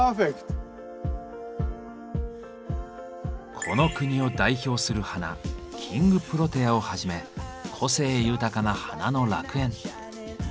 この国を代表する花「キングプロテア」をはじめ個性豊かな花の楽園。